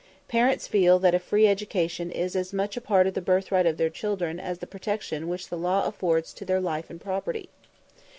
Parents feel that a free education is as much a part of the birthright of their children as the protection which the law affords to their life and property.